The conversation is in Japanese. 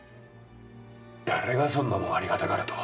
誰がそんなもんありがたがると？